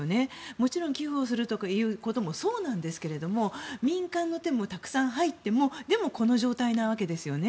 もちろん寄付をするということもそうなんですけれども民間の手もたくさん入ってもこの状況のわけですよね。